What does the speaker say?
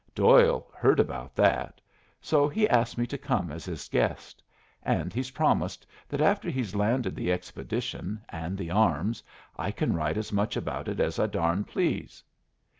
Doyle heard about that. So, he asked me to come as his guest, and he's promised that after he's landed the expedition and the arms I can write as much about it as I darn please."